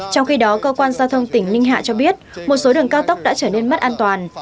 trong khi đó cơ quan giao thông tỉnh ninh hạ cho biết một số đường cao tốc đã trở nên mất an toàn